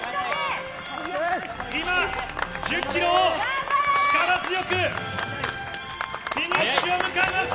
今、１０キロを、力強く、フィニッシュを迎えます。